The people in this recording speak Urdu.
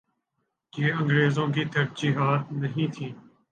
یہ انگریزوں کی ترجیحات نہیں تھیں۔